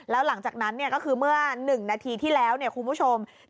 แล้วหลังจากนั้นก็คือเมื่อ๑นาทีที่แล้วคุณผู้ชม